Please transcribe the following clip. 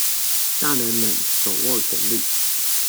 大人們手握權利